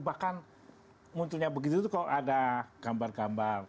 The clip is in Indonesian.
bahkan munculnya begitu itu kalau ada gambar gambar